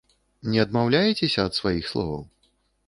Не адмаўляецеся ад сваіх словаў?